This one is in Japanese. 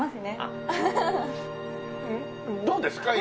どうですか？